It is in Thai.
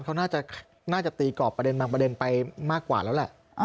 เขาน่าจะตีกรอบประเด็นบางประเด็นไปมากกว่าแล้วแหละ